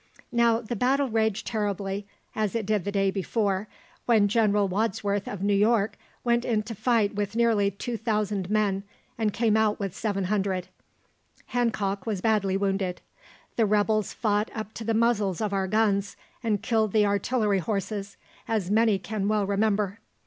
Now the battle raged terribly, as it did the day before, when General Wadsworth, of New York, went into fight with nearly 2000 men and came out with 700. Hancock was badly wounded. The rebels fought up to the muzzles of our guns, and killed the artillery horses, as many can well remember.